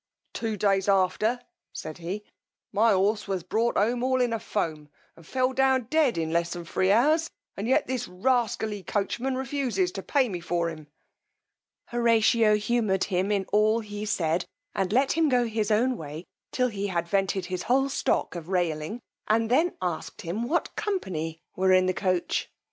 Two days after, said he, my horse was brought home all in a foam, and fell down dead in less than three hours, and yet this rascally coachman refuses to pay me for him. Horatio humoured him in all he said, and let him go on his own way till he had vented his whole stock of railing, and then asked him what company were in the coach.